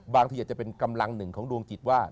บางทีอาจจะเป็นกำลังหนึ่งของดวงจิตว่า